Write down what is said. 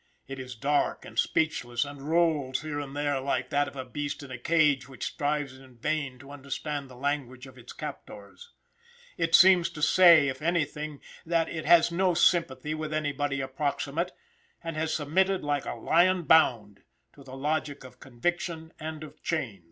It is dark and speechless, and rolls here and there like that of a beast in a cage which strives in vain to understand the language of its captors. It seems to say, if anything, that, it has no sympathy with anybody approximate, and has submitted, like a lion bound, to the logic of conviction and of chains.